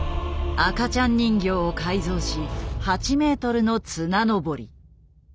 赤ちゃん人形を改造し８メートルの綱登り。